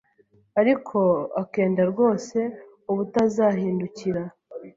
ariko akenda rwose ubutazahindukira